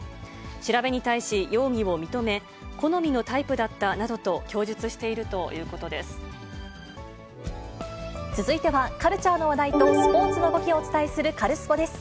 調べに対し容疑を認め、好みのタイプだったなどと供述していると続いてはカルチャーの話題とスポーツの動きをお伝えするカルスポっ！です。